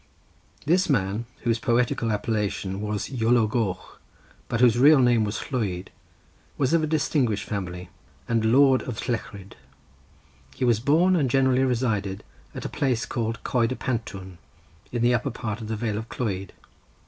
This man, whose poetical appellation was Iolo Goch, but whose real name was Llwyd, was of a distinguished family, and Lord of Llechryd. He was born and generally resided at a place called Coed y Pantwn, in the upper part of the Vale of Clwyd.